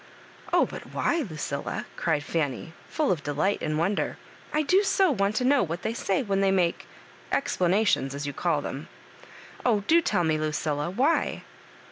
"Oh, but why, Lucilla?" cried Fanny, full of delight and wonder ;" I do so want to know what they say when they make — explanations, as you csmi them. Oh, do tell me, Lucilla^ why